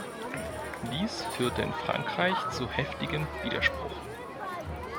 Dies führte in Frankreich zu heftigem Widerspruch.